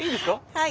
はい。